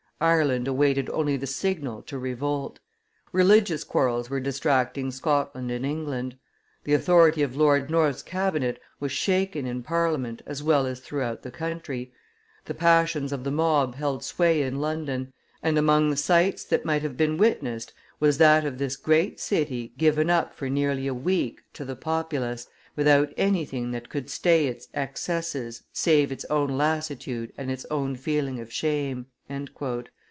Ireland awaited only the signal to revolt; religious quarrels were distracting Scotland and England; the authority of Lord North's cabinet was shaken in Parliament as well as throughout the country; the passions of the mob held sway in London, and among the sights that might have been witnessed was that of this great city given up for nearly a week to the populace, without anything that could stay its excesses save its own lassitude and its own feeling of shame " [M.